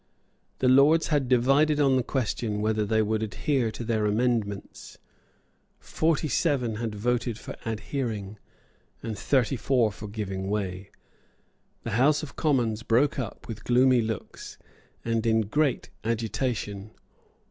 The Lords had divided on the question whether they would adhere to their amendments. Forty seven had voted for adhering, and thirty four for giving way. The House of Commons broke up with gloomy looks, and in great agitation.